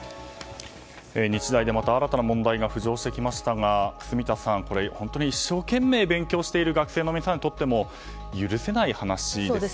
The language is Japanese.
日大でまた新たな問題が浮上してきましたが住田さん、本当に一生懸命勉強している学生さんにとっても許せない話ですね。